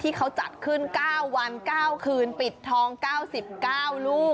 ที่เขาจัดขึ้น๙วัน๙คืนปิดทอง๙๙ลูก